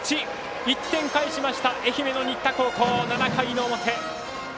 １点返しました愛媛の新田高校、７回の表。